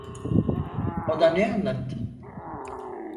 Ona ne anlattın?